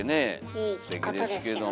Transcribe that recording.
いいことですけどね。